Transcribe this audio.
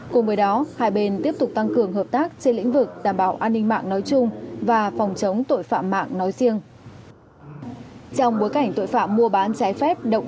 cùng với đó hai bên tiếp tục tăng cường hợp tác trên lĩnh vực đảm bảo an ninh mạng nói chung và phòng chống tội phạm mạng nói riêng